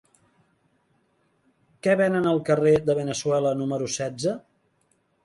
Què venen al carrer de Veneçuela número setze?